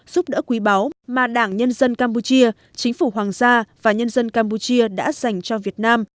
giúp đỡ quý báu mà đảng nhân dân campuchia chính phủ hoàng gia và nhân dân campuchia đã dành cho việt nam